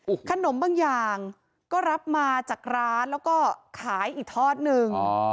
อุ้วขนมบางอย่างก็รับมาจากร้านแล้วก็ขายทอดหนึ่ง